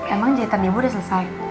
emang jahitan ibu udah selesai